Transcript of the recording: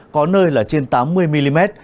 có nơi là trên tám mươi mm